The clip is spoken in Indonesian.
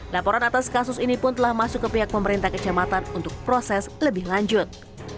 laporan atas kasus ini pun telah masuk ke pihak pemerintah kecamatan untuk proses lebih lanjut